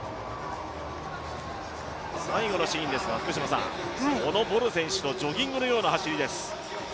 最後のシーンですが、このボル選手のジョギングのような走りです。